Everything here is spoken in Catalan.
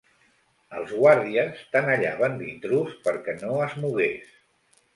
Els guàrdies tenallaven l'intrús perquè no es mogués.